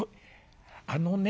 あのね